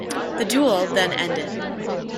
The duel then ended.